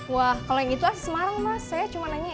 wah kalau yang itu asli semarang mas saya cuma nanya